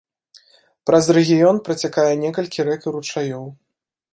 Праз рэгіён працякае некалькі рэк і ручаёў.